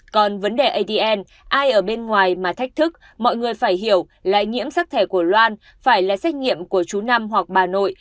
còn vấn đề adn ai ở bên ngoài mà thách thức mọi người phải hiểu là nhiễm sắc thẻ của loan phải là xét nghiệm của chú năm hoặc bà nội